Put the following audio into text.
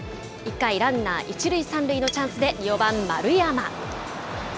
１回、ランナー１塁３塁のチャンスで、４番丸山。